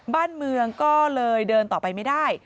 บ้านเมืองก็เลยเดินต่อไปไม่ได้